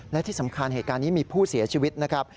และที่สำคัญเหตุการณ์นี้มีผู้เสียชีวิตนะครับ